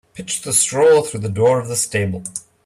Pitch the straw through the door of the stable.